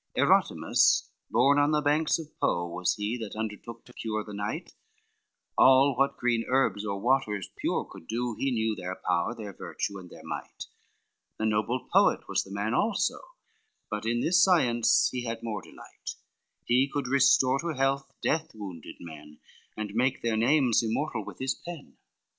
LXX Erotimus, born on the banks of Po, Was he that undertook to cure the knight, All what green herbs or waters pure could do, He knew their power, their virtue, and their might, A noble poet was the man also, But in this science had a more delight, He could restore to health death wounded men, And make their names immortal with his pen.